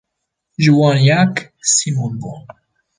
Ji wan yek Sîmon bû.